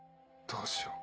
どうしよう。